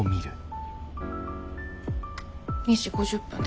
２時５０分です。